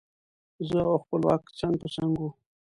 زه او خپلواک څنګ په څنګ وو.